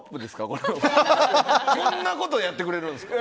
こんなことやってくれるんですか？